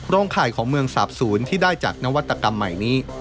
ข่ายของเมืองสาปศูนย์ที่ได้จากนวัตกรรมใหม่นี้